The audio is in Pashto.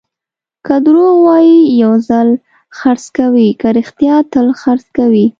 که دروغ ووایې، یو ځل خرڅ کوې؛ که رښتیا، تل خرڅ کوې.